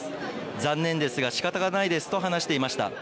残念ですがしかたがないですと話していました。